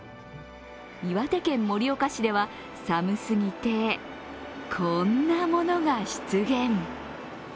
岩手県盛岡市では寒すぎて、こんなものが出現。